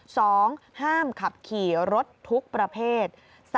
สองห้ามขับขี่รถทุกประเภท